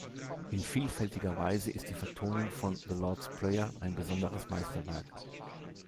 In vielfältiger Weise ist die Vertonung von „The Lord's Prayer“ ein besonderes Meisterwerk.